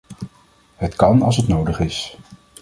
Het kan als het nodig is.